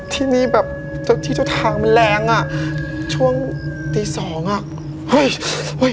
ที่นี่แบบเจ้าที่เจ้าทางมันแรงอ่ะช่วงตีสองอ่ะเฮ้ย